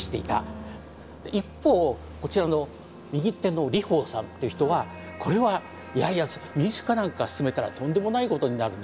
一方こちらの右手の李鵬さんっていう人はこれはいやいや民主化なんか進めたらとんでもないことになると。